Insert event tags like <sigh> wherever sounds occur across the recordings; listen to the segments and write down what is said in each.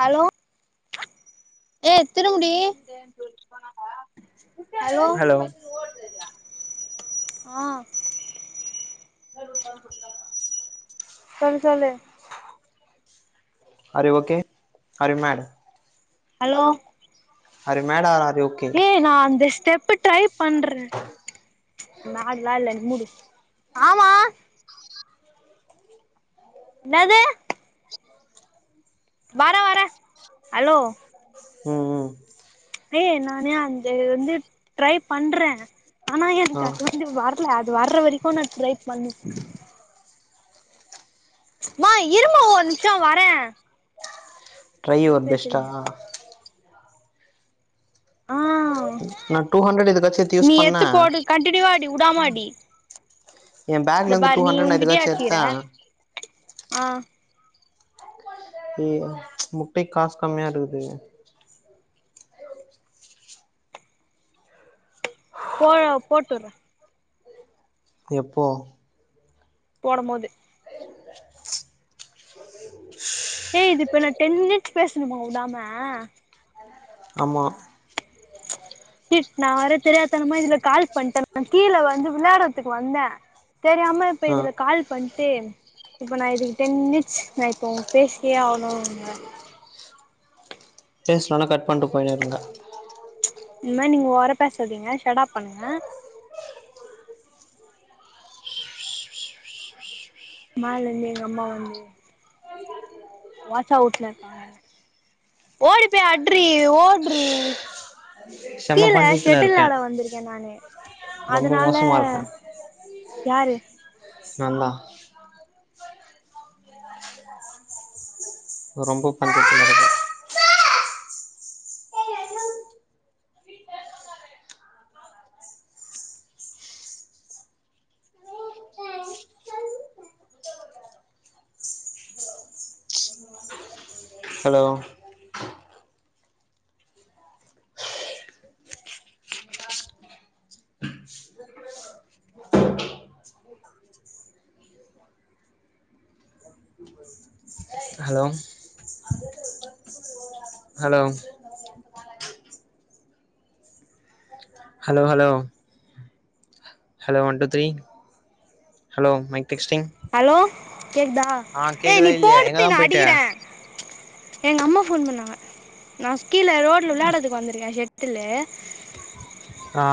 hello ஏ திருமுடி சேர்னு சொல்ட்டு போனாங்க ஹலோ ஆ <inaudible> சொல்லு சொல்லு are you okay are you ma'am hello are you mad are you okay ஏ நா அந்த ஸ்டெப்பு ட்ரை பண்றே நாட்லா இல்ல நீ மூடு ஆமா என்னதே வரன் வரன் ஹலோ ம் ம் ஏய் நானு அந்த வந்து ட்ரை பண்றேன் ஆனா ஆ எனக்கு அது வந்து வர ல அது வர்ற வரைக்கும் நா ட்ரை பண்ணி மா இருமா ஒரு நிமிஷம் வரேன் ட்ரை யுவர் பெஸ்டா ஆ நா டூ ஹண்ட்ரட் இதுக்காச்சு எடுத்து யூஸ் நீ எத்து பண்ணே போடு கண்டீனியூவா அடி உடாம அடி எ பேக்ல இந்த இருந்து டூ பார் நீ ஹண்ட்ரட் நா உங்கிட்டயே இதுக்காச்சு அடிச்சிக்கிற எடுத்தே அ இயியோ முட்டைக்கு காசு கம்மியா இருக்குது போயா போட்டுடர எப்போ போடபோது ஏ இது இப்ப என்ன டென் மினிட்ஸ் பேசணுமா உடாம ஆமா சிட் நா வேற தெரியாத்தனமா இதுல கால் பண்ட்ட கீழ வந்து விளையாடறதுக்கு வந்த தெரியாம இப்ப ஆ இதுல கால் பண்ட்டு இப்ப நா இதுக்கு டென் மினிட்ஸ் நா இப்போ பேசியே ஆவுணு இங்க பேஸ்லனா கட் பண்ணட்டு போய்னேருங்க இனிமே நீங்க ஓவறா பேசாதீங்க ஷடாப் பண்ணுங்க மாலேருந்து எங்க அம்மா வந்து வாசாவுட்ல இருக்காங்க என்ன ஓடிபோய் அட்ரீ ஓட்ரீ செம கீழ பஞ்சத்துல ஷட்டில் இருக்கே வெளாட வந்திருக்க நானு ரொம்ப அதனால மோசமா இருக்கே யாரு நாந்தா ரொம்ப <inaudible> hello hello hello hello hello hello one two three hello mic testing hello கேக்குதா ஏ நீ இல்லையா போடு எங்கதா <inaudible> நா போயிட்ட அடிக்கற எங்க அம்மா போன் பண்ணாங்க நா ஸ்கீழ ரோட்ல விளையாடறதுக்கு வந்துருக்க செஷட்டுலு ஆ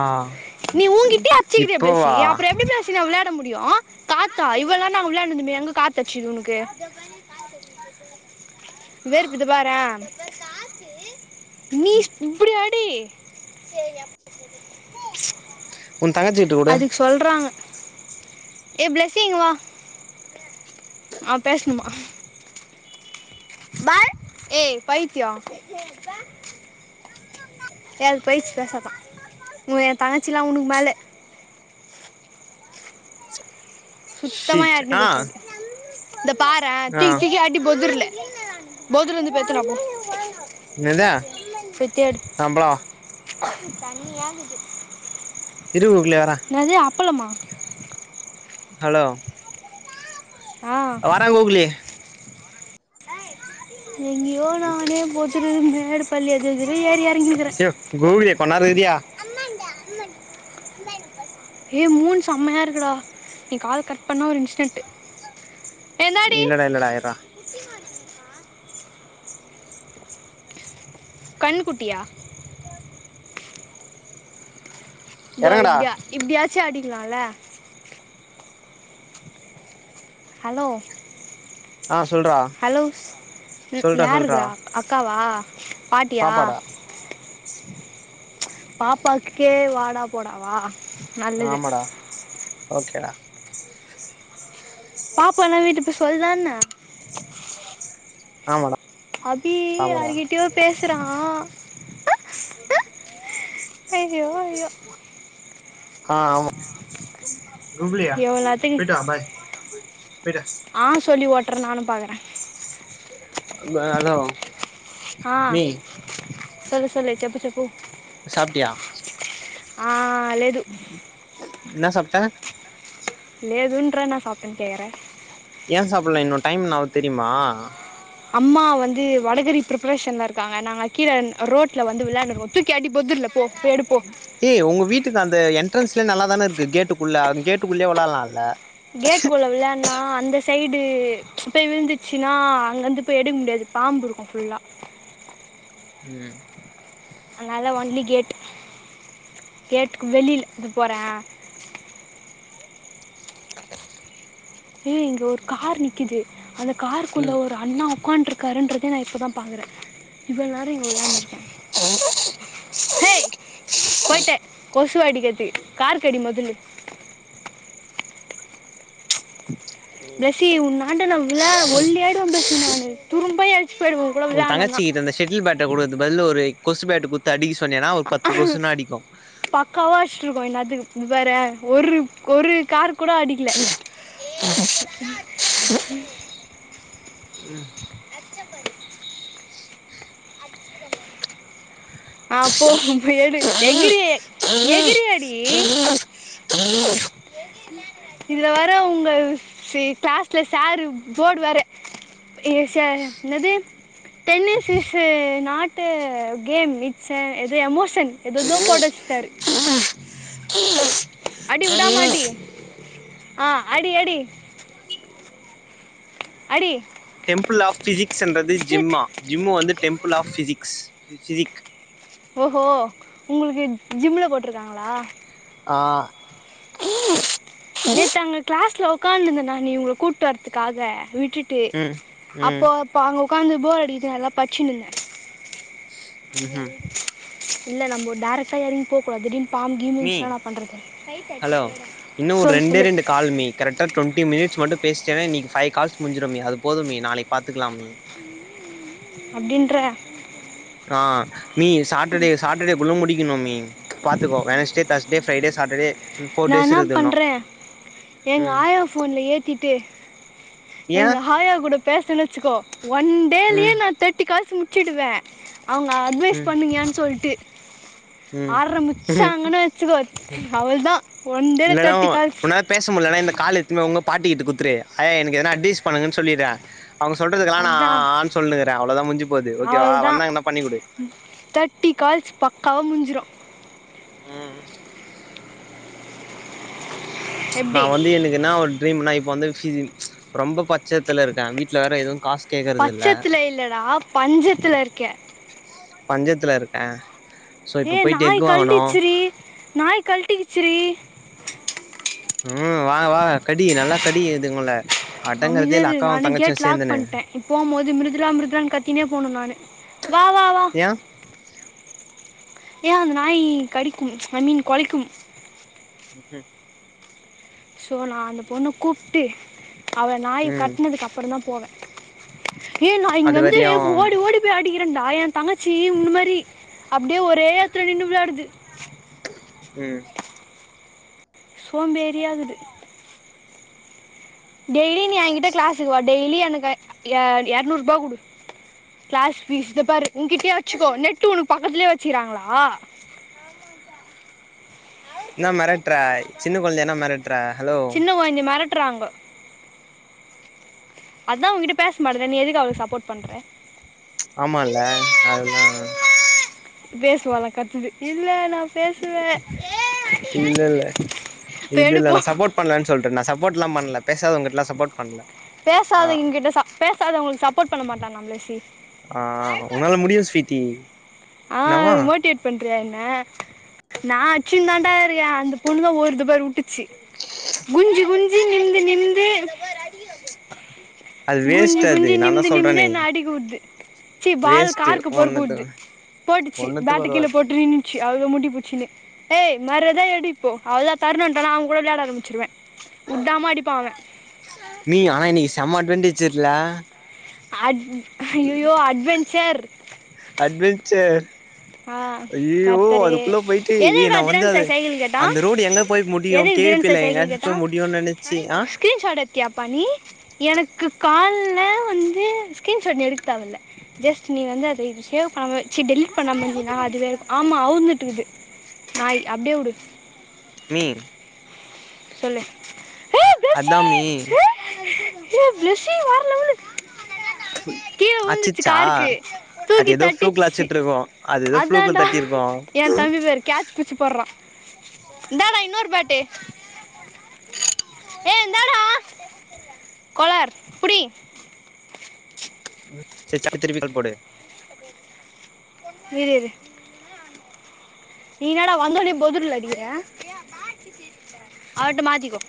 நீ ஊங்கிட்டயே அடிச்சிகிரியே ப்ளேஸ்ஸி இப்போவா அப்பறோ எப்டி சின்னா விளையாட முடியு காத்தா இவ்வள நேரோ நா விளையாண்டுருந்தமே எங்க காத்தடிச்சுது உனக்கு வேற்குது பாறே நீ ஸ் இப்புடி அடி உன் தங்கச்சிக்கிட்ட குடு அதுக்கு சொல்றாங்க ஏ ப்ளசி இங்க வா அவ பேசணுமா பால் ஏ பைத்தியோ ஏ அது போயிருச்சு பேசாதா உ எ தங்கச்சிலா உனுக்கு மேல சுத்தமா ஷிட் யார்டையு ஆ பேசாது இந்த பாரே ஆ தூக்கி தூக்கி அடி பொதுர்ல பொதுர்லந்து போயி எத்துனுவா என்னது போய் தேடு அம்பளோ இது தண்ணியா கீது இரு உள்ளயே வரே நேது அப்பளமா ஹலோ ஆ வாரை கூக்ளி எங்கேயோ நானே போத்துரு மேடு பள்ளி அது இது ஏறி எறங்கினுகிறே கூகுளியே கொஞ் நோரோ இருயா அம்மாண்டா அம்மாண்டு அம்மாண்ட பஸ் ஏய் மூன் செம்மையா இருக்குடா நீ கால் கட் பண்ணா ஒரு இன்ஸ்டென்டு இல்லடா இல்லடா இர்ரா கண்ணுக்குட்டியா இதோ எறங்குடா இப்டியா இப்டியாச்சும் ஆடிக்கலாம்ல ஹலோ ஆ சொல்றா ஹலோ ம் சொல்றா சொல்றா யாருக்குரா அக்காவா பாட்டியா பாப்பாடா பாப்பாக்கே வாடா போடாவா நல்லது ஆமடா ஓகேடா பாப்பா என்ன வீட்டுக்கு போயி சொல்லுதா என்ன ஆமாடா அபி ஆமாடா யார்கிட்டயோ பேசுறா ஐயோ ஐயோ ஆஹ் ஆமா கூப்புலியா எவ்வளாத்துக்கு போயிட்டு வா பாய் போயிட்டாஸ் ஆ சொல்லி ஓட்ற நானு பாக்ற அங்க நல்லாவு மீ சேரி சொல்லு செப்பு செப்பு சாப்டியா ஆ லேது இன்னா சாப்ட லேதுன்ற நா சாப்டன் கேக்ர ஏயா சாப்புல்ல இன்னு டைம் இன்னா ஆவுது தெரியுமா அம்மா வந்து வடகறி பிரிப்ரேஷன்ல இருக்காங்க நாங்க கீழ ரோட்ல வந்து வெளான்னு இருக்குறோ தூக்கி அடி பொதுர்ல போ போடு போ ஏய் உங்க வீட்க்கு அந்த என்ட்ரன்ஸ்ல நல்லாதானே இருக்கு கேட்டுக்குள்ள கேட்டுக்குள்ளயே வெளால்லாம்ல கேட்டுக்குள்ள வெளான் நா அந்த சைடு போய் விழுந்துச்சுனா அங்கருந்து போய் எடுக்க முடியாது பாம்பு இருக்கும் ஃபுல்லா ம் அதனால ஒன்லி கேட்டு் கேட்டுக்கு வெளில இது போற ஏய் இங்க ஒரு கார் நிக்கிது அந்த காருக்குள்ள ம் ஒரு அண்ணா ஒக்கான்று இருக் காறு இன்றதே நா இப்ப தா பாக்குற இவ்ளோ நேரோ இங்க வெளான் இருக்க ஹேய் போய்ட்டே கொசு அடிக்கிறதுக்கு கார் கடி மதுனு பெசி உன்னாண்ட நா வெளையாட ஒல்லி ஆயிடுவேன் பெசி நானு துரும்ப இளைச்சி போயிடுவோம் ஒ தங்கச்சி கிட்ட இந்த செட்டில் பேட் அதுக்கு பதில் ஒரு கொசு பேட்டு குத்து அடிக்க சொன்னீன்னா ஒரு பத்து கொசுன்னா அடிக்கு பக்காவா அடிச்சிட்டு இருக்கோ இந்நேரத்துக்கு வேற ஒரு ஒரு கார்க் கூட அடிக்கல பிளாக் ம் அ போ போய் எடு எகிறி எகிறி அடி பிளாக் இத வேற உங்க கிளாஸ்ல சாரு போர்டு வாரு எனது tennis is not game it ச எதோ எமோஷன் எதோதோ போட்டு வச்சிட்டாரு அடி உடாம அடி ஆ அடி அடி அடி டெம்பிள் ஆஃ ஃபிசிக்ஸ்ன்றது ஷிட் ஜிம்மா ஜிம்மு வந்து டெம்பிள் ஆஃப் பிசிக்ஸ் பிசிக் ஓகோ உங்களுக்கு ஜிம்ல போட்ருக்காங்களா ஆ நேத்து அங்க கிளாஸ்ல உக்காந்து இருந்தேனா நீ இவ்கள கூப்ட்டு வரதுக்காக வீட் விட்டுட்டு ம் ம் அப்போ அப்ப அங்க உக்காந்து போர் அடிச்சிசினா இதுல்லா பட்ச்சிருந்தே ம்ஹும் இல்ல நம்மோ டேரக்ட்டா எறங்கி போ கூடாது திடீர்னு பாம்பு கீம்பு மீ இச்சுனா என்னா பண்றது லைட்டு அடிச்சிட்டு ஹலோ போயிடலா இன்னு ஒரு ரெண்டே ரெண்டு கால் மீ கரெக்டா டொண்டி மினிட்ஸ் மட்டு பேசிட்டேன நீ பைவ் கால்ஸ் முடிஞ்சிடு மீ அது போது மீ நாளைக்கி பாத்துக்கலா மீ அப்டின்ற ஆ மீ சாட்டர்டே சாட்டர்டே குள்ள முடிக்கணு மீ பாத்துக்கோ Wednesday Thursday Friday Saturday four நா டேஸ் என்னா இருக்குது இன்னு பண்றே எங்க ம் ஆயா ஃபோன்ல ஏத்திட்டு ஏ எங்க ஆயா கூட பேசுனே வச்சுக்கோ ஒன் டேலயே ம் நா தேர்ட்டி கால்ஸ் முடிச்சிடுவே அவுங்க அட்வைஸ் ம் பண்ணுங்கன் சொல்லிட்டு ம் ஆரம்முச்சாங்கன்னு வச்சுக்கோ அவ்ள்தா ஒண்டேல இல்லனா தேர்டி கால்ஸ் உன்னால பேச முடியலன்னா இந்த கால எத்துனுபோய் உங்க பாட்டிக்கிட்டு குடுத்துரு ஆயா எனக்குஎதுனா அட்வைஸ் பண்ணுகன்னு சொல்லிறே அவங்க சொல்றதுக்கல்லா நா ஆ அதுதான் ஆனு சொல்லுனுகிறே அவ்வளோதா முஞ்சு போது ஓகே வா அவள் தான் வந்தாங்கன்னா பண்ணி குடு தேர்ட்டி கால்ஸ் பக்காவாக முடிஞ்சிடு ம் நா எப்படி வந்து எனக்கு என்னா ஒரு டரீம்னா இப்ப வந்து சி சி ரொம்ப பாத் பச்சத்துல இருக்கே வீட்ல வேற எதுவு காசு கேக்குறது இல்ல பச்சத்தில் இல்லைடா பஞ்சத்தில் இருக்க பஞ்சத்துல இருக்கே ஏ நாய் கல்டுச்சிரி நாய் கல்டிகிச்சிடி ம் வாங்க வாங்க கடி நல்லா கடி இதுங்கல அடங்கறதே இல்ல அக்காவும் தங்கச்சியு சேர்ந்துன்னு போகும் போது மிருதுலா மிருதுலான்னு கத்தினே போகணு நானு வா வா வா ஆ ஏ அந்த நாய் கடிக்கும் ஐ மீன் கொலைக்கும் ம்ஹூம் ஸோ நா அந்த பொண்ண கூப்ட்டு அவ நாய் ம் கட்னதுக்கு அப்புற தா போவே ஏ நா இங்க அது வந்து வரையு ஓடி ஓடி போய் ஆடிக்கிறேன்டா எ தங்கச்சி உன்ன மாரி அப்டியே ஒரே எடத்துல நின்னு வெளாடுது ம் சோம்பேரியாக்குது டெய்லி நீ எங்கிட்ட கிளாஸ்க்கு வா டெய்லி எனக்கு இரநூருபா குடு கிளாஸ் பபீஸ் த பாரு உங்க்கிட்டேய வச்சுக்கோ நட்டு ஒண்ணு பக்கத்துலயே வச்சுக்காங்களா என்னா மெரட்ற சின்ன குழந்தைய என்ன மெரட்ற ஹலோ மெரட்றாங்க அதா உங்கிட்ட பேச மாட்டேது நீ எதுக்கு அவளுக்கு சப்போர்ட் பண்ற ஆமால்ல அதெல்லா பேசுவாலா கத்துது இல்ல நா பேசுவ இல்ல போய் எடுப்போ பண்ல சொல்ட்டே நா சப்போர்ட்ல்லா பண்ணல பேசாதவங்க கிட்டலா சப்போர்ட் பண்ல ஆ பேசாதங்க கிட்ட பேசாத உங்களுக்கு சப்போர்ட் பண்ண மாட்டேசி என்னாவா மோட்டிவே்ட் பண்றிய என்ன நான் அச்சுன் தாண்டா இருக்க அந்த பொண்ணுதா ஓடுது பாருவுட்டு குனிஞ்சு குனிஞ்சு நிந்து நிந்து அது குனிஞ்சு வேஸ்ட் அது குனிஞ்சு நா தா நிமிந்து நிமிந்து சொல்றனே என்ன அடிக்கவுடுது சி பால் வேஸ்ட்டு கார்கக்கு பொறுக்க ஒன்னுத்து உடுது போட்டுச்சு ஒன்னுத்துக்கு பேட்டு கீழ உதவாது போட்டு நின் ள முடி போச்சுனுு ஏய் மறாத எடுஇப்போ அவளான் தரண்வன்டானா அவன் கூட விளையாட ஆரம்பிச்சிருவேன் உ்டாம அடிப்பாஅவன் நீ ஆ இன்னைக்கு செம அட்வண்டேச்சர்ல அட் ஐயயோ அட்வென்ச்சர் அட்வென்ச்சர் ஆ ஐயயோ கர்த்தரு அதுக்குள்ள போய்ட்டு ஏய் எதுக்குடா நான் வந்து திரன் அது சாய் சைக்கிள் கேட்டா அந்த ரோடு எங்க போய் முடியு எதுக்கு திரன் கேவிப்பில எங்காச்சு போய் முடியுனு நெனச்சு ஆ ஸ்க்ரீன்ஷாட் எடுத்தியாப்பா நீ எனக்கு கால்ல வந்து ஸ்க்ரீன்ஷாட் நீ எடுக்க தேவையில்ல ஜஸ்ட் நீ வந்து அத இது சேவ் பண்ண வச்சு டெலீட் இப்ப நம்மள்துனா அது வேற மீர் சொல்லு பிளஸ்ஸி அதாமி ஏ ஏ வெசி வேற லெவலு கீழே உழுந்துருச்சு அச்சிச்சா கார்க்கு அது தூக்கி ஏதோ ஃப்ளூக்ல தட்டிச்சச்சு அச்சிட்ருக்கு அது ஏதோ ஃப்ளூக்ல அதான்ண்டா தட்டிருக்கு என் தம்பி பாரு கேட்ச் புச்சி போடுறான் இந்தடா இன்னொரு பேட்டே ஏ என்ந்தடா கொளர் புடி சச்ச திருப்பிக்கல் போடு இரு இரு நீஏன்டா வந்தோன போதர்ல்லஅடிக்குற அவட்ட மாத்திக்கோ